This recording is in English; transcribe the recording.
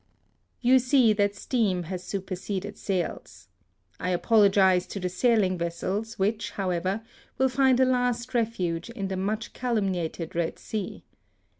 You see that steam has superseded sails. I apologise to the sailing vessels, which, however, will find a last refuge in the much calunmiated Eed Sea.